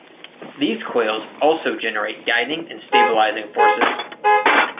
These coils also generate guiding and stabilizing forces.